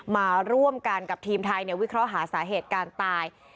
มาร่วมกันกับทีมไทยวิเคราะห์หาสาเหตุการตาย